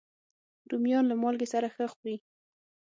رومیان له مالګې سره ښه خوري